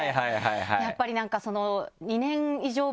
やっぱりなんか。